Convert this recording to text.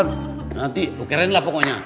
nanti oke reng lah pokoknya